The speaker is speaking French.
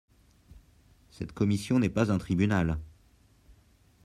Cette commission n’est pas un tribunal.